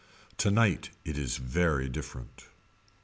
Tonight it is very different.